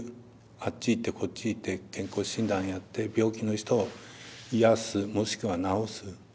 あっち行ってこっち行って健康診断やって病気の人を癒やすもしくは治す。